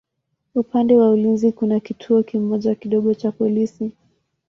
Upande wa ulinzi kuna kituo kimoja kidogo cha polisi.